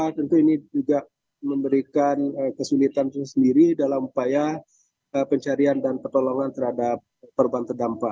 jadi tentu ini juga memberikan kesulitan sendiri dalam upaya pencarian dan pertolongan terhadap korban terdampak